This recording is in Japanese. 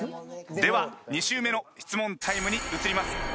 では２周目の質問タイムに移ります。